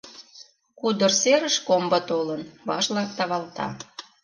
Кудыр серыш комбо толын, вашла тавалта.